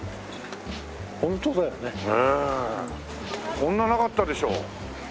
こんななかったでしょ。